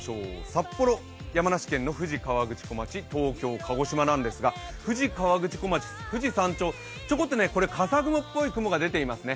札幌、山梨県の富士河口湖町、東京、鹿児島なんですが、富士河口湖町、富士山頂、ちょこっとね、かさ雲っぽい雲が出ていますね。